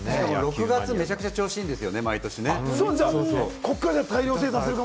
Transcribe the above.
６月めちゃくちゃ調子いいんですよね、毎年ね。